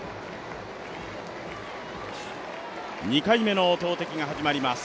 ２回目の投てきが始まります